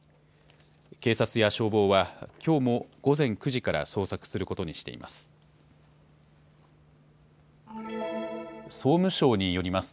警察や消防はきょうも午前９時から捜索することにしています。